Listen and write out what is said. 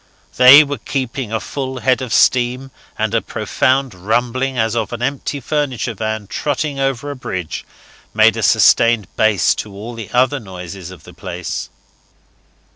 They were keeping a full head of steam, and a profound rumbling, as of an empty furniture van trotting over a bridge, made a sustained bass to all the other noises of the place.